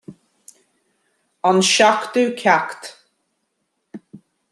An seachtú ceacht